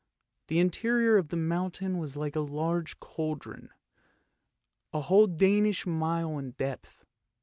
The interior of the mountain was like a large cauldron, a whole Danish mile in depth.